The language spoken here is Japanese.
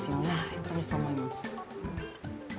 本当にそう思います。